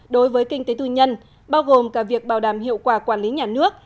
đối với kinh tế tư nhân bao gồm cả việc bảo đảm hiệu quả quản lý nhà nước